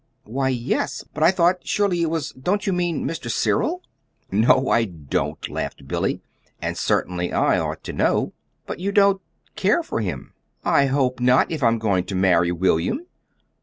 "Why yes." "But I thought surely it was don't you mean Mr. Cyril?" "No, I don't," laughed Billy. "And certainly I ought to know." "And you don't care for him?" "I hope not if I'm going to marry William."